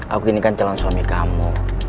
aku ini kan calon suami kamu